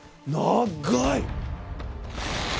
長い！